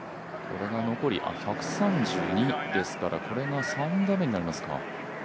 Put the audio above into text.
残り１３２ですからこれが３打目になりますか。